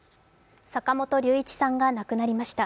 坂本龍一さんが亡くなりました。